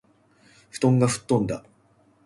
布団がふっとんだ